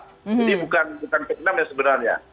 jadi bukan vietnam ya sebenarnya